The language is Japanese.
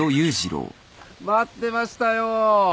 待ってましたよ。